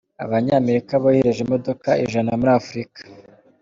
Abanyamerika bohereje imodoka ijana muri Afurika.